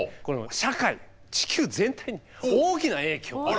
社会地球全体に大きな影響が。